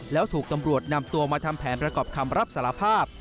แล้วถูกตำรวจนำตัวมาทำแผนประกอบคำรับสารภาพ